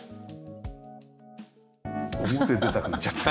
表へ出たくなっちゃった。